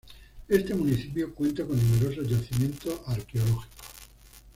Este municipio cuenta con numerosos yacimientos arqueológicos.